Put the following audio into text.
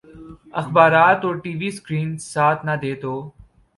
اخبارات اور TV screen ساتھ نہ دے تو